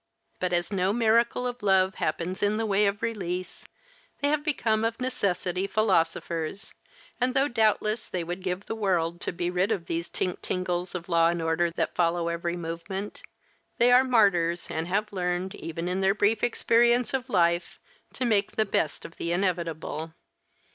But as no miracle of love happens in the way of release, they have become of necessity philosophers, and though doubtless they would give the world to be rid of these tink tingles of law and order that follow every movement, they are martyrs and have learned, even in their brief experience of life, to make the best of the inevitable.